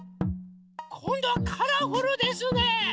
⁉こんどはカラフルですね。